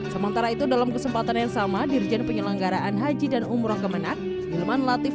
sementara itu dalam kesempatan yang sama dirjen penyelenggaraan haji dan umroh kemenang hilman latif